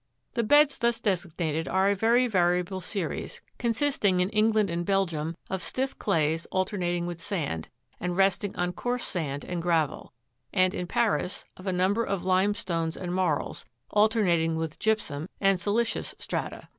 The beds thus designated are a very variable series, consisting, in England and Belgium, of stiff clays alternating with sand, and resting on coarse sand and gravel ; and, in Paris, of a number of limestones and marls, alter nating with gypsum and silicious strata.